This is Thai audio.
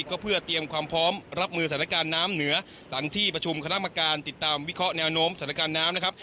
ก็เพื่อเตรียมความพร้อมรับมือสถานการณ์น้ำเหนือหลังที่ประชุมคณะกรรมการติดตามวิเคราะห์แนวโน้มสถานการณ์น้ำนะครับ